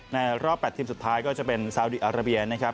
รอบ๘ทีมสุดท้ายก็จะเป็นซาวดีอาราเบียนะครับ